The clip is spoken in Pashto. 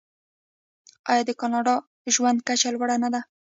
آیا د کاناډا ژوند کچه لوړه نه ده؟